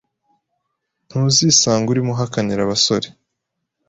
Nuzisanga urimo uhakanira abasore